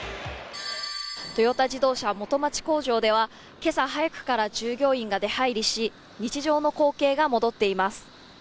トヨタ自動車元町工場ではけさ早くから従業員が出入りし日常の光景が戻っています